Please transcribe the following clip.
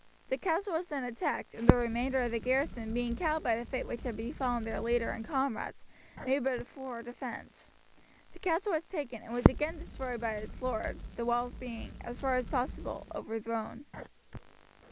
The castle was then attacked, and the remainder of the garrison being cowed by the fate which had befallen their leader and comrades, made but a poor defence. The castle was taken, and was again destroyed by its lord, the walls being, as far as possible, overthrown.